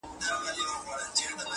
په ياد کي ساته د حساب او د کتاب وخت ته.